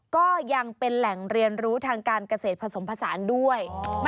ก็ยังเป็นแหล่งเรียนรู้ทางการเกษตรผสมผสานด้วย